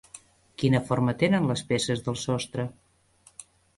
Quina forma tenen les peces del sostre?